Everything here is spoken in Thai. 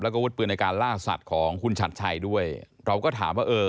แล้วก็วุฒิปืนในการล่าสัตว์ของคุณชัดชัยด้วยเราก็ถามว่าเออ